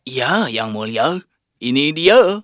ya yang mulya ini dia